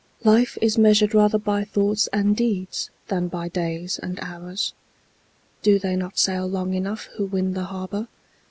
Life is measured rather by thoughts and deeds than by days and hours. Do they not sail long enough who win the harbor?